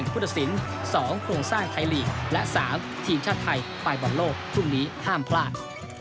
ผู้ตัดสิน๒โครงสร้างไทยลีกและ๓ทีมชาติไทยไปบอลโลกพรุ่งนี้ห้ามพลาด